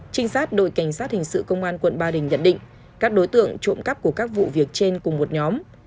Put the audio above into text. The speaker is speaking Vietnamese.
trinh sát đội cảnh sát hình sự công an quận ba đình nhận định các đối tượng trộm cắp của các vụ việc trên cùng một nhóm